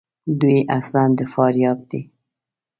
دوی اصلاُ د فاریاب دي.